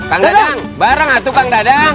kang dadang bareng atukang dadang